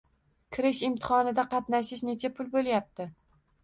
Kirish imtihonida qatnashish necha pul boʻlyapti?